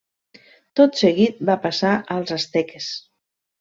Tot seguit va passar als asteques.